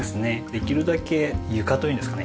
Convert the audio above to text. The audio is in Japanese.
できるだけ床というんですかね